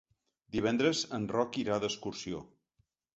Divendres en Roc irà d'excursió.